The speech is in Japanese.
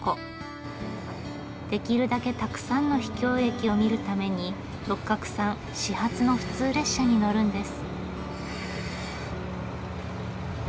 できるだけたくさんの秘境駅を見るために六角さん始発の普通列車に乗るんです。